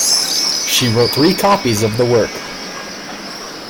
She wrote three copies of the work.